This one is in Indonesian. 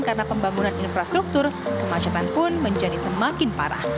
dan dengan pembangunan infrastruktur kemacetan pun menjadi semakin parah